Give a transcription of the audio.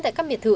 tại các biệt thự